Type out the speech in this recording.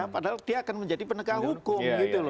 padahal dia akan menjadi penegak hukum